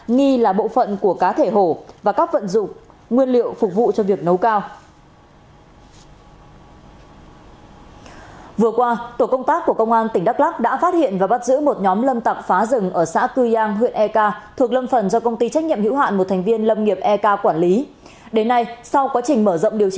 nghi là bộ phận của cá thể hổ và các vận dụng nguyên liệu phục vụ cho việc nấu cao